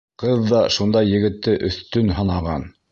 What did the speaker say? Ҡыҙ ҙа шундай егетте өҫтөн һанаған.